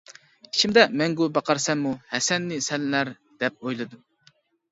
ئىچىمدە مەڭگۈ باقارسەنمۇ ھەسەننى سەنلەر دەپ ئويلىدىم.